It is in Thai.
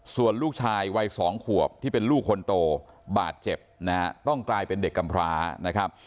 ส่วนลูกชายวัย๒ขวบที่เป็นลูกคนโตบาดเจ็บนะฮะต้องกลายเป็นเด็กกำพร้านะครับ